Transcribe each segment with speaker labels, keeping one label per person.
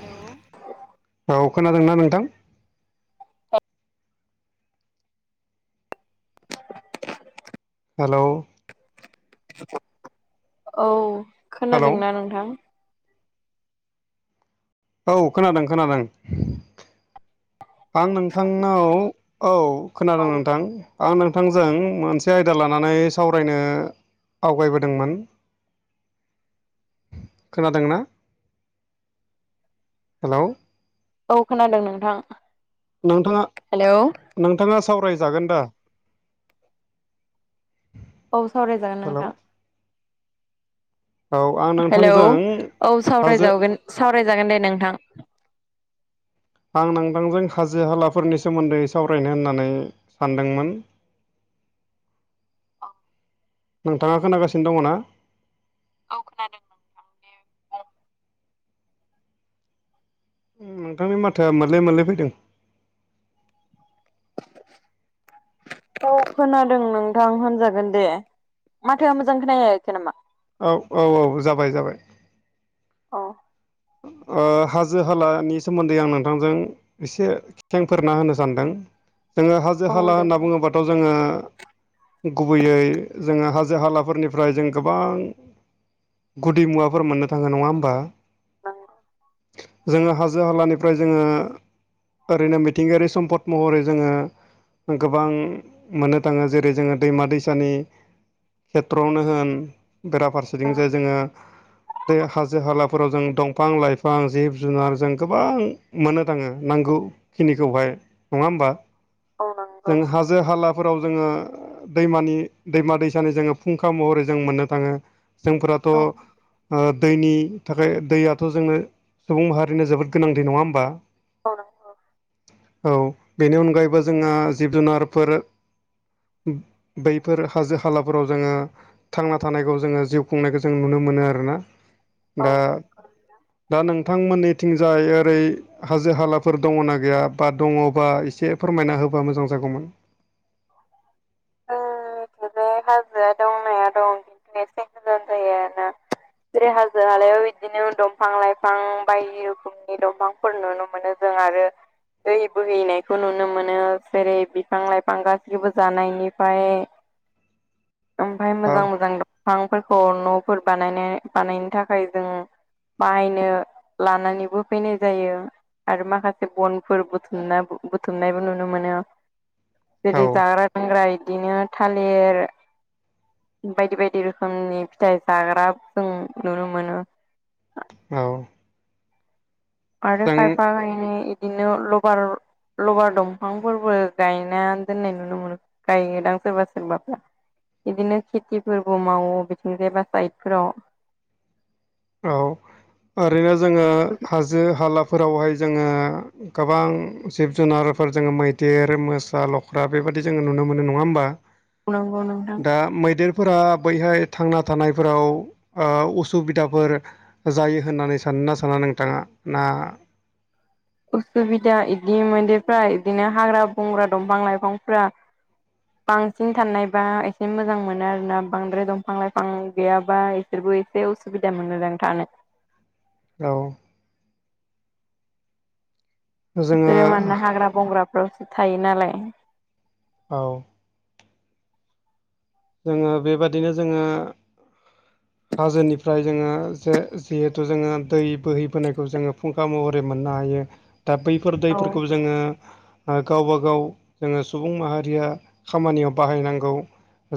Speaker 1: Hello.
Speaker 2: औ खोनादों ना नोंथां? हेलौ।
Speaker 1: औ
Speaker 2: हेलौ
Speaker 1: खोनादों ना नोंथां?
Speaker 2: औ खोनादों खोनादों। आं नोंथांनाव औ
Speaker 1: औ
Speaker 2: खोनादों नोंथां। आं नोंथांजों मोनसे आयदा लानानै सावरायनो आवगायबोदोंमोन? खोनादोंना हेल'?
Speaker 1: औ खोनादों नोंथां।
Speaker 2: नोंथाङा
Speaker 1: हेलौ औ
Speaker 2: नोंथाङा सावरायजागोन दा?
Speaker 1: औ सावरायजागोन
Speaker 2: हेलौ
Speaker 1: नोंथां।
Speaker 2: औ आं
Speaker 1: हेलौ
Speaker 2: नोंथांजों
Speaker 1: औ
Speaker 2: हाजो
Speaker 1: सावरायजावगोन सावरायजागोन दे नोंथां।
Speaker 2: आं नोंथांजों हाजो हालाफोरनि सोमोन्दै सावरायनो होननानै सानदोंमोन।
Speaker 1: औ
Speaker 2: नोंथाङा खोनागासिनो दङ' ना?
Speaker 1: औ खोनादों। नोंथां दे बुं।
Speaker 2: उम नोंथांनि माथाया मोरले मोरले फैदों। [inaudible]
Speaker 1: औ खोनादों नोंथां होनजागोन दे। माथोआ मोजां खोना हैयाखै नामा?
Speaker 2: औ औ औ जाबाय जाबाय।
Speaker 1: अ।
Speaker 2: ओ हाजो हालानि सोमोन्दै आं नोंथांजों एसे खेंफोरना होनो सानदों। जोङो
Speaker 1: औ
Speaker 2: हाजो हाला
Speaker 1: दे
Speaker 2: होनना
Speaker 1: नंगौ
Speaker 2: बुङोबाथ' जोङो गुबैयै जोङो हाजो हालाफोरनिफ्राय जों गोबां गुदि मुवाफोर मोननो थाङो नङा होमबा
Speaker 1: [unintelligible]
Speaker 2: जोङो हाजो हालानिफ्राय जोङो ओरैनो मिथिंगायारि सम्पद महरै जोङो गोबां मोननो थाङो जेरै जोङो दैमा दैसानि खेथ्र'आवनो होन बेराफारसेथिं जे जोङो बे हाजो हालाफोराव जों दं फां लाइफां जिब जुनार जों गोबां मोननो थाङो नांगौखिनिखौहाय। नङा होमबा
Speaker 1: औ नं
Speaker 2: जों हाजो हालाफोराव जोङो दैमानि दैमा दैसानि जोङो फुंखा महरै जों मोननो थाङो। जोंफोराथ'
Speaker 1: औ
Speaker 2: ओ दैनि थाखाय दैया थ' जोंनो सुबुं माहारिनो जोबोद गोनां दै नङा होमबा।
Speaker 1: औ नं
Speaker 2: औ बेनि अनगायैबो जोंहा जिब जुनारफोर बैफोर हाजो हालाफोराव जोङो थांना थानायखौ जोङो जिउ खुंनायखौ जों नुनो मोनो आरो ना।
Speaker 1: औ
Speaker 2: दा
Speaker 1: नंगौ
Speaker 2: दा नोंथांमोननिथिंजाय ओरै हाजो हालाफोर दङ' ना गैया बा दङ' बा एसे फोरमायना होबा मोजां जागौमोन।
Speaker 1: [unintelligible] हाजोआ दं नाया दं खिन्थु एसे गोजान जायो ना।
Speaker 2: [inaudible]
Speaker 1: हाजो हालायाव इदिनो दंफां लाइफां बायदि रोखोमनि दंफांफोर नुनो मोनो जों आरो दै बोहैनायखौ नुनो मोनो। जेरै बिफां लाइफां गासैबो जानायनिफाय ओमफाय
Speaker 2: औ
Speaker 1: मोजां मोजां दंफांफोरखौ न'फोर बानायनो बानायनो थाखाय जों बाहायनो लानानैबो फैनाय जायो। आरो माखासे बनफोर बुथुमना बुथुमनायबो नुनो मोनो। जेरै
Speaker 2: औ
Speaker 1: जाग्रा लोंग्रा इदिनो थालिर बायदि बायदि रोखोमनि फिथाइ जाग्रा जों नुनो मोनो।
Speaker 2: औ
Speaker 1: आरो
Speaker 2: जों
Speaker 1: खायफा खायनै बिदिनो लबार लबार दंफांफोरबो गायना दोननाय नुनो मोनो गायोदां सोरबा सोरबाफ्रा बिदिनो खेथिबो मावो बिथिं जायबा साइदफोराव
Speaker 2: औ ओरैनो जोङो हाजो हालाफोरावहाय जोङो गोबां जिब जुनारफोर जोङो मैदेर, मोसा, लख्रा बेबायदि जोङो नुनो मोनो नङा होमबा।
Speaker 1: नंगौ नोंथां
Speaker 2: दा मैदेरफोरा बैहाय थांना थानायफोराव ओ असुबिदा फोर जायो होननानै सानोना साना नोंथाङा ना
Speaker 1: असुबिदा इदि मैदेरफ्रा इदिनो हाग्रा बंग्रा दंफां लाइफांफ्रा बांसिन थानायबा एसे मोजां मोनो आरो ना बांद्राय दंफां लाइफां गैयाबा बिसोरबो एसे असुबिदा मोनोदां थानो
Speaker 2: औ जोङो
Speaker 1: बिसोरो मानोना हाग्रा बंग्राफ्रावसो थायो नालाय
Speaker 2: औ जोङो बेबादिनो जोङो हाजोनिफ्राय जोङो जे जिहेथु जोङो दै बोहैबोनायखौ जोङो फुं खा महरै मोननो हायो दा बैफोर
Speaker 1: औ
Speaker 2: दैफोरखौ जोङो गावबा गाव जोङो सुबुं माहारिया खामानियाव बाहायनांगौ।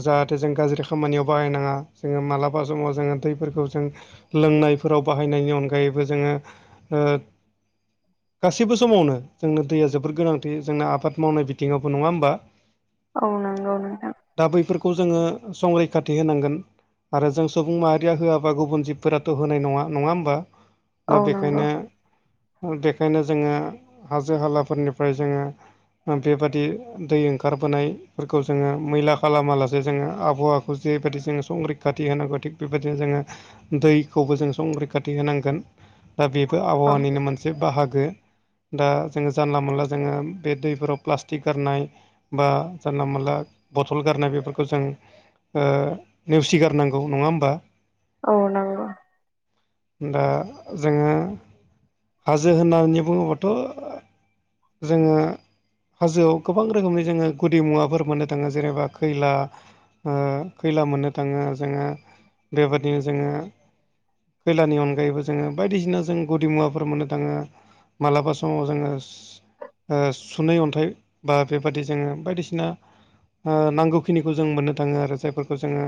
Speaker 2: जाहाथे जों गाज्रि खामानियाव बाहायनाङा जोङो मालाबा समाव जोङो दैफोरखौ जों लोंनायफोराव बाहायनायनि अनगायैबो जोङो गासैबो समावनो जोंनो दैया जोबोर गोनांथि जोंना आबाद मावनाय बिथिङावबो नङा होमबा? [inaudible]
Speaker 1: औ नंगौ नोंथां।
Speaker 2: दा बैफोरखौ जोङो संरैखाथि होनांगोन। आरो जों सुबुं माहारिया होआबा गुबुन जिबफोराथ होनाय नङा नङा होमबा? दा
Speaker 1: औ नंगौ
Speaker 2: बेखायनो-बेखायनो जोङो हाजो हालाफोरनिफ्राय जोङो बेबादि दै ओंखारबोनायफोरखौ जोङो मैला खालामालासे जे जोङो आबहावाखौ जेबायदि जोङो संरैखाथि होनांगौ थिग बेबायदिनो जोङो दैखौबो जों संरैखाथि होनांगोन दा बेबो
Speaker 1: औ
Speaker 2: आबहावानिनो मोनसे बाहागो दा जोङो जानला मोनला जोङो बे दैफोराव प्लास्टिक गारनाय बा जानला मोनला बथल गारनाय बेफोरखौ खौ जों नेवसिगारनांगौ नङा होमबा?
Speaker 1: औ नंगौ।
Speaker 2: दा जोङो हाजो होननानै बुङोबाथ जोङो हाजोआव गोबां रोखोमनि जोङो गुदि मुवाफोर मोननो थाङो जेनेबा खैला खैला मोननो थाङो जोङो बेबादिनो जोङो खैलानि अनगायैबो जोङो बायदिसिना जों गुदि मुवाफोर मोननो थाङो मालाबा समाव जोङो सुनै अन्थाइ बा बेबादि जोङो बायदिसिना नांगौ खिनिखौ जों मोननो थाङो आरो जायफोरखौ जोङो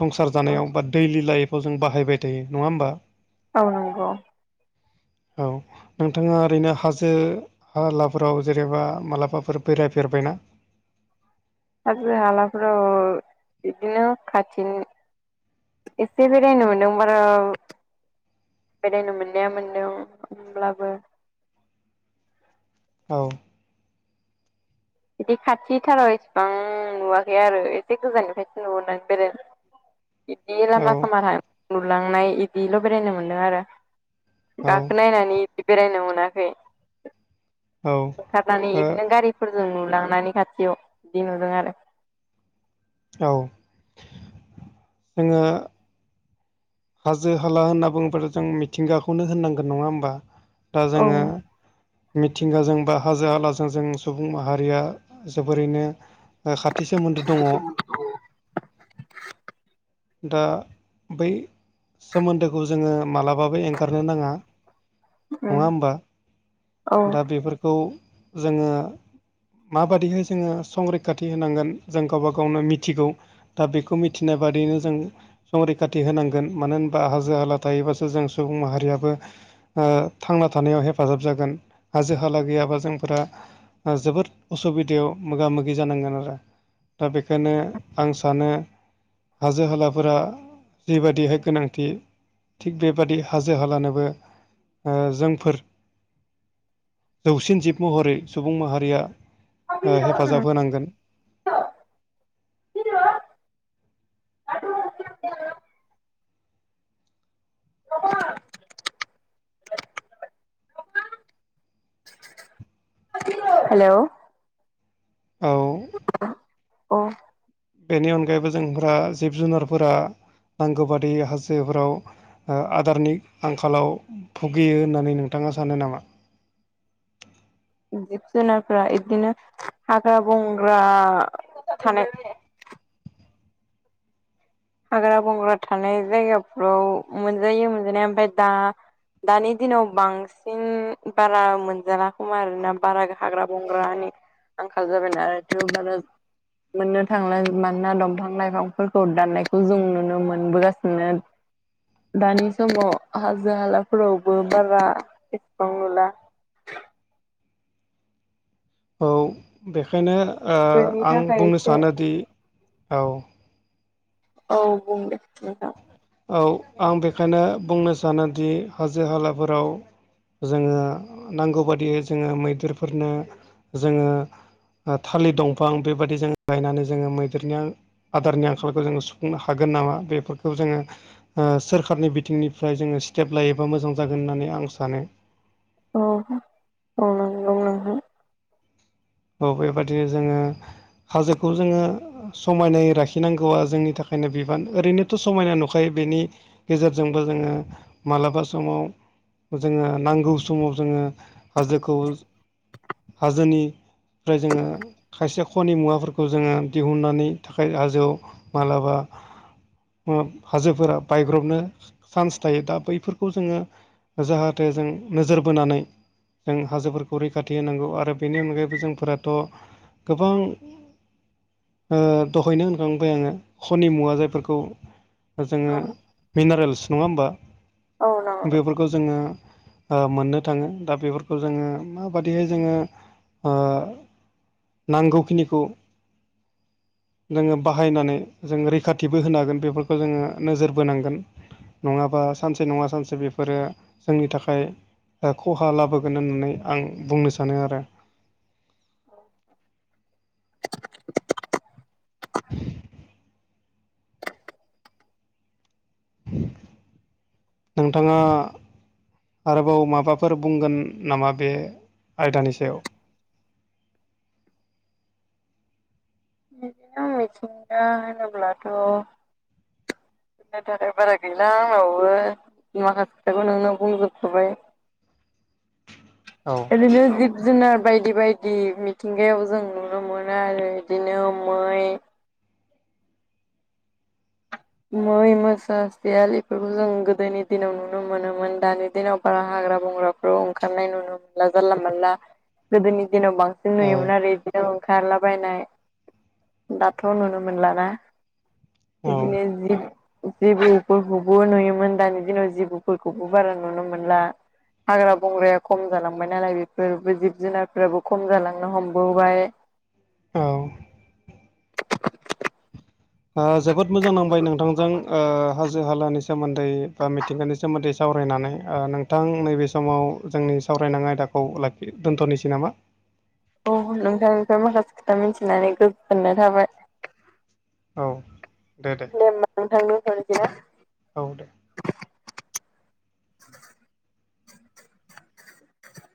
Speaker 2: संसार जानायाव बा डैलि लाइफआव जों बाहायबाय थायो नङा होमबा?
Speaker 1: औ नंगौ।
Speaker 2: औ नोंथाङा ओरैनो हाजो हालाफोराव जेनेबा मालाबाफोर बेरायफेरबायना?
Speaker 1: हाजो हालाफोराव औ बिदिनो खाथिनि एसे बेरायनो मोनदोंबार बेरायनो मोननाया मोनदों होमब्लाबो
Speaker 2: औ
Speaker 1: बिदि खाथिथाराव इसेबां नुवाखै आरो एसे गोजाननिफ्रायसो नुनानै बेरायनो
Speaker 2: [inaudible]
Speaker 1: बिदि लामा
Speaker 2: औ
Speaker 1: सामाां लुलांनाय बिदिल' बेरायनो मोनदों आरो।
Speaker 2: औ
Speaker 1: गाखो नायनानै बेरायनो मोनाखै
Speaker 2: औ ओ
Speaker 1: ओंखारनानै
Speaker 2: औ
Speaker 1: बिदिनो गारिफोरजों नुलांनानै खाथियाव बिदि नुदों आरो
Speaker 2: औ जोङो हाजो हाला होनना बुङोब्ला जों मिथिंगाखौनो होननांगोन नङा होमबा बा
Speaker 1: औ
Speaker 2: जोङो मिथिंगाजों बा हाजो हालाजों जों सुबुं माहारिया जोबोरैनो ओ खाथि सोमोन्दो दङ दा बै सोमोन्दोखौ जोङो मालाबाबो एंगारनो नाङा नङा होमबा
Speaker 1: उम
Speaker 2: दा बेफोरखौ जोङो माबादिहाय जोङो संरैखाथि होनांगोन जों गावबा गावनो मिथिगौ दा बेखौ मिथिनाय बादियैनो जों संरैखाथि होनां गोन मानो होनबा हाजो हाला थायोबासो जों सुबुं माहारियाबो ओ थांना थानायाव हेफाजाब जागोन हाजो हाला गैयाबा जोंफोरा ओ जोबोद असुबिदायाव मोगा मोगि जानांगोन आरो दा बेखायनो आं सानो हाजो हालाफोरा जिबाय दिहाय गोनांथि थिग बेबादि हाजो हालानोबो ओ जोंफोर जौसिन जिब महरै सुबुं माहारिया ओ हेफाजाब होनांगोन
Speaker 1: औ [unintelligible] हेलौ
Speaker 2: औ
Speaker 1: औ
Speaker 2: बेनि अनगायैबो जोंफ्रा जिब जुनारफोरा नांगौ बादि हाजोफोराव ओ आदारनि आंखालाव भुगियो होननानै नोंथाङा सानो नामा
Speaker 1: जिब जुनारफ्रा इदिनो हाग्रा बंग्रा थानाय हाग्रा बंग्रा थानाय जायगाफ्राव मोनजायो मोनजानाया ओमफ्राय दा दानि दिनाव बांसिन बारा मोनजाला खोमा आरोना बारा हाग्रा बंग्रानि आंखाल जाबाय नालाय [unintelligible] मोननो थांला मानोना दंफां लाइफांफोरखौ दान्नाय खौ जों नुनो मोनबोगासिनो दानि समाव हाजो हालाफोरावबो बारा इसेबां नुला
Speaker 2: औ बेखायनो ओ
Speaker 1: बेनि
Speaker 2: आं
Speaker 1: थाखाय
Speaker 2: बुंनो
Speaker 1: एसे
Speaker 2: सानोदि औ
Speaker 1: औ बुं दे नोंथां
Speaker 2: औ आं बेखायनो बुंनो सानोदि हाजो हालाफोराव जोङो नांगौ बादियै जोङो मैदेरफोरनो जोङो ओ थालिर दंफां बेबायदि जों गायनानै जोङो मैदेरनो आदारनि आंखालखौ जोङो सुफुंनो हागोन नामा बेफोरखौ जोङो सोरखारनि बिथिंनिफ्राय जोङो स्टेप लायोबा मोजां जागोन होननानै आं सानो
Speaker 1: औ औ नांगौ नोंथां
Speaker 2: औ बेबादिनो जोङो हाजोखौ जोङो समायनाय लाखिनांगौआ जोंनि थाखायनो बिबान ओरैनोथ' समायना नुखायो बेनि गेजेरजोंबो जोङो मालाबा समाव जोङो नांगौ समाव जोङो हाजोखौ हाजोनि फ्राय जोङो खायसे खनि मुवाफोरखौ जोङो दिहुननानै थाखाय हाजोआव मालाबा ओप हाजोफोरा बायग्रबनो चान्स थायो दा बैफोरखौ जोङो जाहाथे जों नोजोर बोनानै जों हाजोफोरखौ रैखाथि होनांगौ आरो बेनि अनगायैबो जों फोरथ' गोबां ओ दहायनो होनखांबाय आङो खनि मुवा जायफोरखौ जोङो मिनारेल्स नङा होमबा
Speaker 1: औ नंगौ।
Speaker 2: बेफोरखौ जोङो ओ मोननो थाङो दा बेफोरखौ जोङो माबादिहाय जोङो ओ नांगौखिनिखौ नोङो बाहायनानै जों रैखाथिबो होनो हागोन बेफोरखौ जोङो नोजोर बोनांगोन नङाबा सानसे नङा सानसे बेफोरो जोंनि थाखाय ओ खहा लाबोगोन होननानै आं बुंनो सानो आरो नोंथाङा आरोबाव माबाफोर बुंगोन नामा बे आयदानि सायाव
Speaker 1: बिदिनो मिथिंगा होनोब्लाथ' [unintelligible] बारा गैला आंनावबो माखासे खोथाखौ नोंनो बुंजोबखाबाय
Speaker 2: औ।
Speaker 1: बिदिनो जिब जुनार बायदि बायदि मिथिंगायाव जों नुनो मोनो आरो बिदिनो मै मै मोसा सियाल इफोरखौ जों गोदोनि दिनाव नुनो मोनोमोन दानि दिनाव बारा हाग्रा बंग्राफ खौ ओंखारनाय नुनो मोनला जानला मोनला गोदोनि दिनाव बां सिन
Speaker 2: औ
Speaker 1: नुयोमोन आरो इदिनो ओंखारलाबायनाय दाथ' नुनो मोनलाना?
Speaker 2: औ
Speaker 1: दिनो जिब जेबौफोरखौबो नुयोमोन दानि दिनाव जिबौफोरखौबो बारा नुनो मोनला। हाग्रा बंग्राया खम जालांबाय नालाय बेफोरबो जिब जुनारफोराबो खम जालांनो हमबोबाय।
Speaker 2: औ। ओ जोबोद मोजां नांबाय नोंथांजों ओ हाजो हालानि सोमोन्दै बा मिथिंगानि सोमोन्दै सावरायनानै ओ नोंथां नैबे समाव जोंनि सावरायनां आयदाखौ लाखि दोनथ'नोसै नामा?
Speaker 1: औ नोंथांनिफ्राय माखासे खोथा मिथिनानै गोजोननाय थाबाय।
Speaker 2: औ दे दे।
Speaker 1: नोंथां दोनथनोसै ना?
Speaker 2: औ दे।